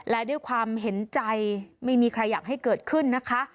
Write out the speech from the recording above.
และด้วยความเห็นใจไม่มีใครอยากให้เกิดขึ้นนะคะ